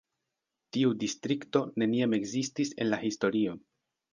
Tiu distrikto neniam ekzistis en la historio.